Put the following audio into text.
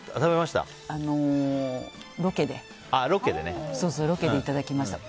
ロケでいただきました。